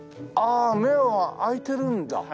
ああ目は開いてるんだ。